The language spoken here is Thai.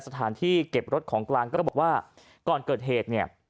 สถานที่เก็บรถของกลางก็บอกว่าก่อนเกิดเหตุเนี่ย